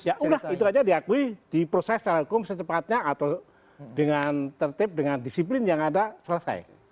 ya udah itu aja diakui diproses secara hukum secepatnya atau dengan tertib dengan disiplin yang ada selesai